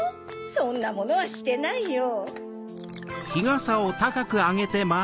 そんなものはしてないよ。